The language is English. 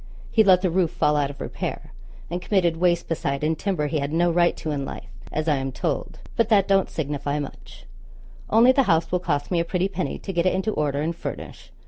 He let the roof all out of repair, and committed waste beside in timber he had no right to in life, as I am told; but that don't signify much, only the house will cost me a pretty penny to get it into order and furnish.